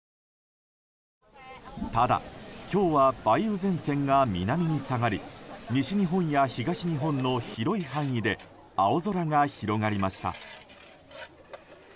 ただ、今日は梅雨前線が南に下がり西日本や東日本の広い範囲で青空が広がりました。